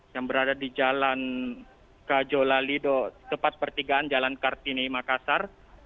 yang berada di jalan kajolalido tepat pertigaan jalan kartini makassar